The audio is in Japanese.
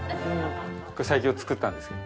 最強作ったんですけど。